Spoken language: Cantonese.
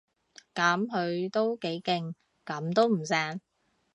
噉佢都幾勁，噉都唔醒